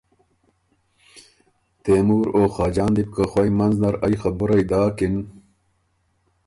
تېمُور او خاجان دی بوکه خوئ مںځ نر ائ خبُرئ داکِن